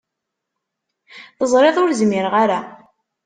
Teẓriḍ ur zmireɣ ara.